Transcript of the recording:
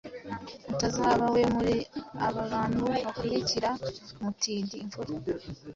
mutazaba we muri aba bantu bakurikira: umutindi, imfura,